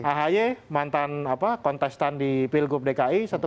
pak jay mantan apa kontestan di pilgub dki satu delapan